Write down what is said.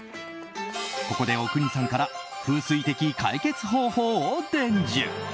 ここで阿国さんから風水的解決方法を伝授。